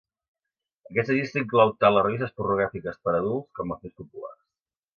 Aquesta llista inclou tant les revistes pornogràfiques "per a adults" com les més populars.